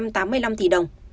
chín năm trăm tám mươi năm tỷ đồng